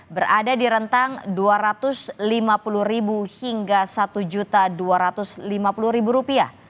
berada di rentang dua ratus lima puluh hingga satu dua ratus lima puluh rupiah